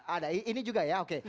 ada ini juga ya oke